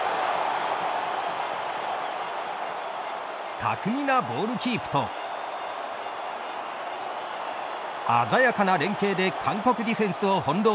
巧みなボールキープと鮮やかな連係で韓国ディフェンスを翻弄。